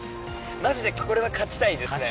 マジでこれは勝ちたいですね。